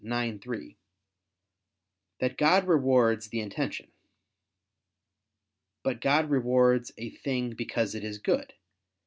ix, 3) that God rewards the intention. But God rewards a thing because it is good.